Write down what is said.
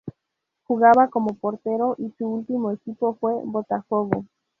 Jugaba como portero y su último equipo fue Botafogo.